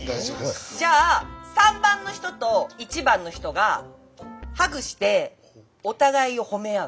じゃあ３番の人と１番の人がハグしてお互いを褒め合う。